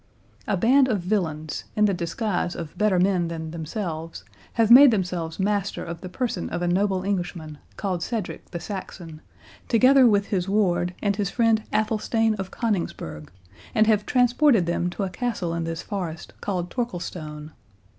A band of villains, in the disguise of better men than themselves, have made themselves master of the person of a noble Englishman, called Cedric the Saxon, together with his ward, and his friend Athelstane of Coningsburgh, and have transported them to a castle in this forest, called Torquilstone.